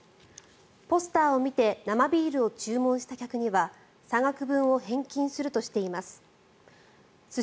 ポスターを見て生ビールを注文した客には差額分を返金するとしています。